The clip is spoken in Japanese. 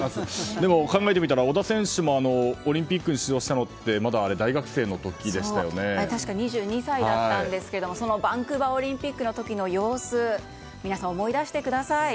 でも考えてみたら織田選手もオリンピックに出場したのって確か、２２歳だったんですがそのバンクーバーオリンピックの時の様子皆さん、思い出してください。